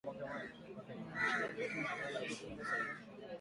kulingana na ripoti ya mwaka elfu mbili kumi na saba ya kundi la kimazingira